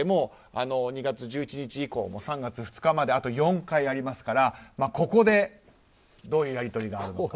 ２月１１日以降、３月２日まであと４回ありますからここでどういうやり取りがあるか。